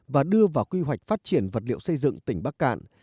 và đưa vào quy hoạch phát triển vật liệu xây dựng tỉnh bắc cạn